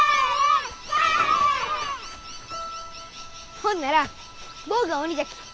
ほんなら坊が鬼じゃき。